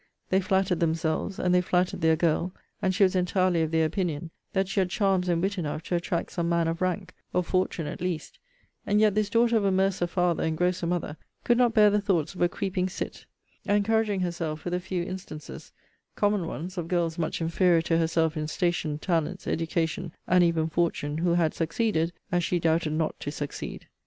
They flattered themselves, and they flattered their girl, and she was entirely of their opinion, that she had charms and wit enough to attract some man of rank; of fortune at least: and yet this daughter of a mercer father and grocer mother could not bear the thoughts of a creeping cit; encouraging herself with the few instances (comcommon ones, of girls much inferior to herself in station, talents, education, and even fortune, who had succeeded as she doubted not to succeed.